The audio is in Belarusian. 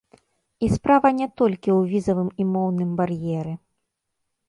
І справа не толькі ў візавым і моўным бар'еры.